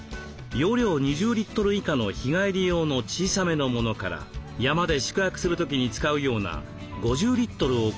容量２０リットル以下の日帰り用の小さめのものから山で宿泊する時に使うような５０リットルを超えるものまであります。